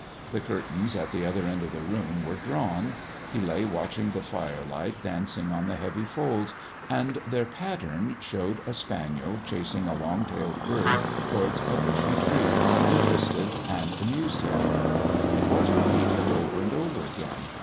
The curtains at the other end of the room were drawn. He lay watching the firelight dancing on the heavy folds, and their pattern, showing a spaniel chasing a long tailed bird towards a bushy tree, interested and amused him. It was repeated over and over again.